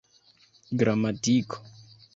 gramatiko